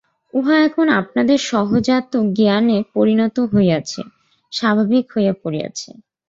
উহা এখন আপনাদের সহজাত জ্ঞানে পরিণত হইয়াছে, স্বাভাবিক হইয়া পড়িয়াছে।